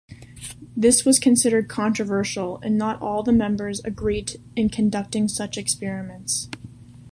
This was considered controversial and not all members agreed in conducting such experiments.